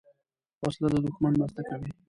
وسله د دوښمن مرسته کوي